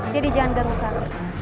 jadi jangan gerukkan